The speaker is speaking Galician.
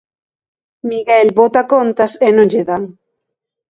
Miguel bota contas e non lle dan.